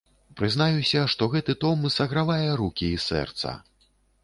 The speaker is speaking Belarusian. Прызнаюся, што гэты том сагравае рукі і сэрца.